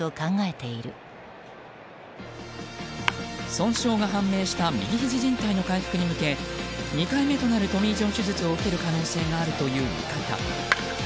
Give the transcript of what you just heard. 損傷が判明した右ひじじん帯の回復に向け２回目となるトミー・ジョン手術を受ける可能性があるという見方。